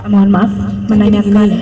mohon maaf menanyakan